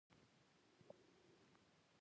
هغه خپله او د مينې برخه ډوډۍ له دسترخوانه واخيسته.